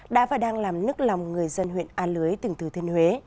đã và đang làm nức lòng người dân huyện a lưới từng từ thiên huế